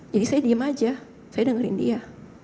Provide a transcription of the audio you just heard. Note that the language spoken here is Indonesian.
jadi saya diam aja saya dengerin dia